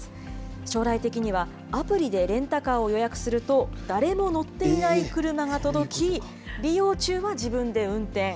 将来的にはアプリでレンタカーを予約すると、誰も乗っていない車が届き、利用中は自分で運転。